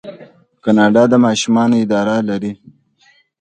کاناډا د ماشومانو اداره لري.